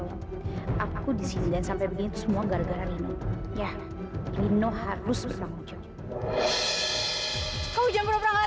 aku disini dan sampai begitu semua gara gara rino ya rino harus berangkat kau jangan berangkat